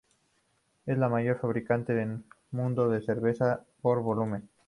Es la mayor fabricante del mundo de cerveza por volumen.